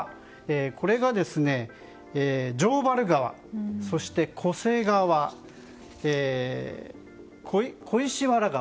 これが、城原川そして巨瀬川、小石原川。